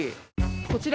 こちら。